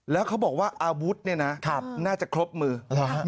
แล้วเขาบอกว่าอาวุธเนี่ยนะครับน่าจะครบมืออ๋อหรอ